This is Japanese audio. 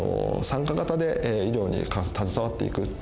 参加型で医療に携わっていく。